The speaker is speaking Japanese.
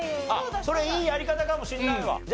それいいやり方かもしれないわ。